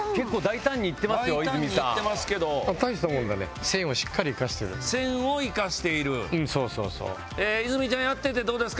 大胆にいってますけど大したもんだね線をしっかり生かしてる線を生かしているうんそうそうそう泉ちゃんやっててどうですか？